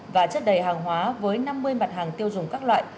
và chất đầy hàng hóa với năm mươi mặt hàng tiêu dùng các loại